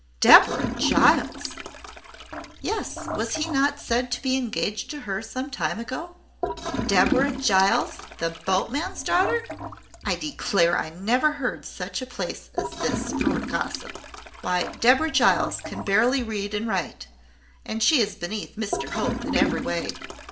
"Deborah Giles!" "Yes; was he not said to be engaged to her, some time ago?" "Deborah Giles! the boatman's daughter! I declare I never heard of such a place as this for gossip! Why, Deborah Giles can barely read and write; and she is beneath Mr Hope in every way.